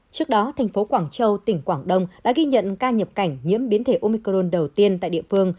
trước đó thành phố quảng châu tỉnh quảng đông đã ghi nhận ca nhập cảnh nhiễm biến thể omicron đầu tiên tại địa phương